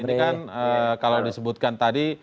ini kan kalau disebutkan tadi